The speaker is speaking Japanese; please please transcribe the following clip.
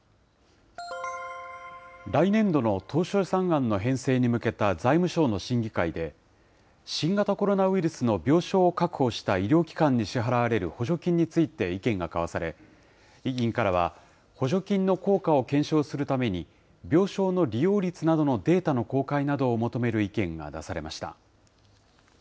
来年度の当初予算案の編成に向けた財務省の審議会で、新型コロナウイルスの病床を確保した医療機関に支払われる補助金について意見が交わされ、委員からは、補助金の効果を検証するために、病床の利用率などのデータの公開などを求める意見が出されました。